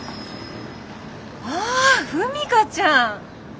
ああ風未香ちゃん。